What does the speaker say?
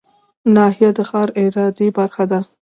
ناحیه د ښار اداري برخه ده